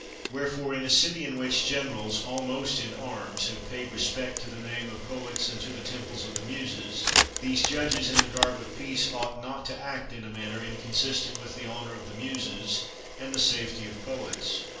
Wherefore, in a city in which generals, almost in arms, have paid respect to the name of poets and to the temples of the Muses, these judges in the garb of peace ought not to act in a manner inconsistent with the honor of the Muses and the safety of poets.